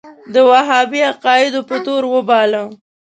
د وهابي عقایدو په تور وباله.